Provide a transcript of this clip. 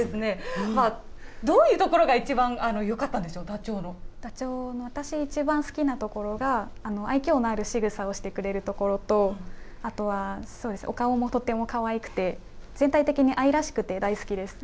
ダチョウの、私、一番好きなところが、愛きょうのあるしぐさをしてくれるところと、あとはそうですね、お顔もとてもかわいくて、全体的に愛らしくて大好きです。